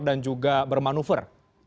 dan juga bermanuver